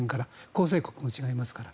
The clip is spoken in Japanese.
構成国も違いますから。